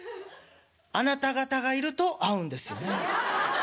あなた方がいると合うんですよね」。